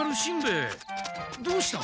ヱどうした？